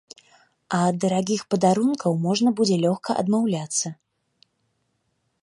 А ад дарагіх падарункаў можна будзе лёгка адмаўляцца.